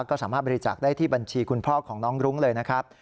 ก็สามารถบริจาคได้ที่บัญชีคุณพ่อของน้องรุ้งเลยนะครับ